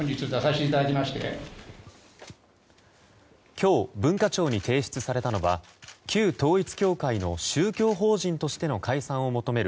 今日文化庁に提出されたのは旧統一教会の宗教法人としての解散を求める